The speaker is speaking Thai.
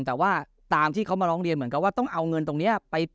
แต่ว่าตามที่เขามาร้องเรียนเหมือนกับว่าต้องเอาเงินตรงนี้ไป